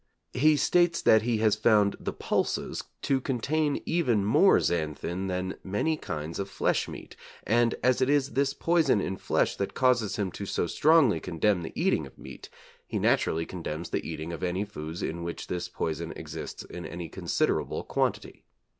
He states that he has found the pulses to contain even more xanthin than many kinds of flesh meat, and as it is this poison in flesh that causes him to so strongly condemn the eating of meat, he naturally condemns the eating of any foods in which this poison exists in any considerable quantity.